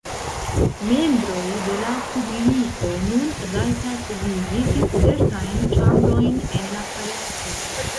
Membroj de la publiko nun rajtas viziti certajn ĉambrojn en la palaco.